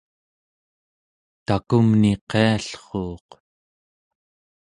takumni qiallruuq